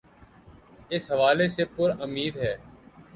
اس حوالے سے پرا مید ہے۔